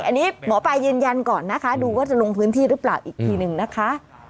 อันนี้หมอปลายืนยันก่อนนะคะดูว่าจะลงพื้นที่หรือเปล่าอีกทีหนึ่งนะคะ